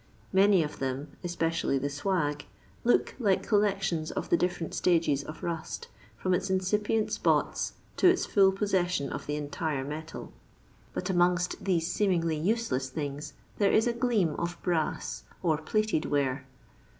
Many of them (especially the swag) look like collections of the different stages of rust, from iu incipient spots to its full possession of the entire metal. But amongst these seemingly useless things there is a gleam of brass or plated ware.